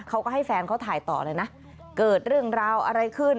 เขาก็ให้แฟนเขาถ่ายต่อเลยนะเกิดเรื่องราวอะไรขึ้น